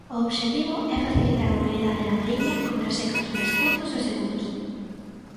O obxectivo é facilitar a mobilidade na Mariña con traxectos máis curtos e seguros.